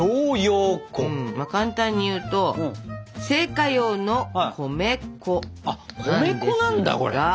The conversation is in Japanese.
簡単にいうと製菓用の米粉なんですが。